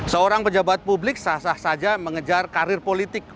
seorang pejabat publik sah sah saja mengejar karir politik